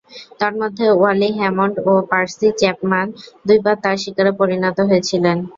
তন্মধ্যে, Wally Hammond ও Percy Chapman দুইবার তার শিকারে পরিণত হয়েছিলেন।